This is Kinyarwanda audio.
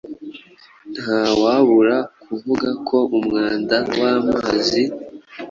Ntawabura kuvuga ko umwanda w’amazi